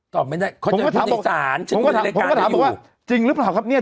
ตอบไม่ได้เขาจะพูดในสารผมก็ถามว่าจริงหรือเปล่าครับเนี่ย